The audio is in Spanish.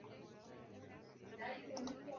Su padre era el torero mexicano Manuel Capetillo.